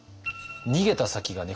逃げた先がね